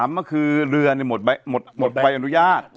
๓เหลือหมดใบอนุญาต